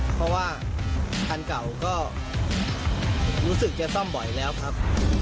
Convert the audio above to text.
เพราะว่าคันเก่าก็รู้สึกจะซ่อมบ่อยแล้วครับ